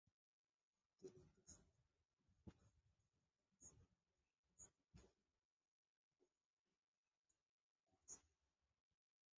তিনি পেশাদার ক্রিকেট খেলা থেকে অবসর নিয়ে বাংলাদেশের ক্রিকেট ডেভেলপমেন্ট কোচ হন।